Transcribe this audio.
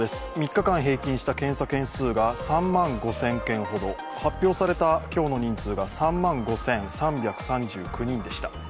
３日間平均した検査件数が３万５０００件ほど発表された今日の人数が３万５３３９人でした。